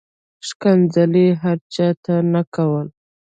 ښکنځل یې هر چاته نه کول.